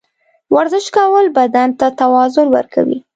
ورزش کول بدن ته توازن ورکوي.